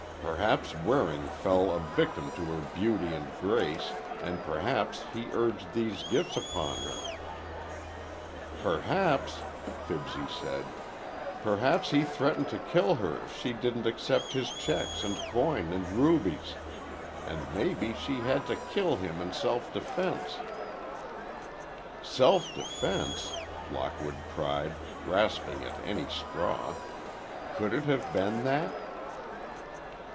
Perhaps Waring fell a victim to her beauty and grace, and perhaps he urged these gifts upon her—" "Perhaps," Fibsy said; "perhaps he threatened to kill her if she didn't accept his checks and coin and rubies!—and maybe she had to kill him in self defense—" "Self defense!" Lockwood cried, grasping at any straw. "Could it have been that?"